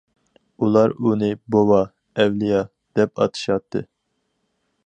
ئۇلار ئۇنى« بوۋا»،« ئەۋلىيا» دەپ ئاتىشاتتى.